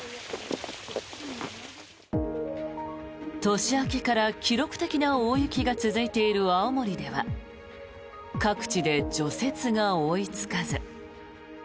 年明けから記録的な大雪が続いている青森では各地で除雪が追いつかず。